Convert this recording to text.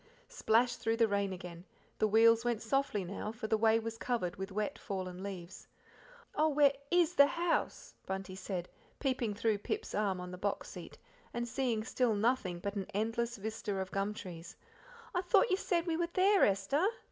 Splash through the rain again; the wheels went softly now, for the way was covered with wet fallen leaves. "Oh, where IS the house?" Bunty said, peeping through Pip's arm on the box seat, and seeing still nothing but an endless vista of gum trees. "I thought, you said we were there, Esther."